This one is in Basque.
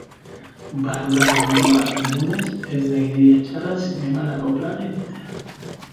Barrurako giroa dugunez, ez da ideia txarra zinemarako plana egitea.